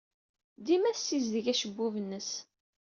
Dima tessizdig acebbub-nnes.